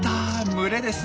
群れです。